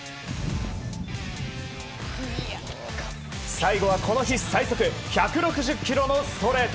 最後はこの日最速１６０キロのストレート。